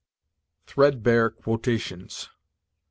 THREADBARE QUOTATIONS.